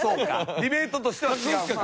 ディベートとしては違うのか。